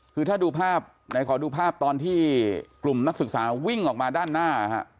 คือถ้าดูภาพไหนขอดูภาพตอนที่กลุ่มนักศึกษาวิ่งออกมาด้านหน้า